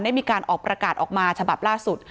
ได้มีการออกประกาศออกมาฉบับล่าสุด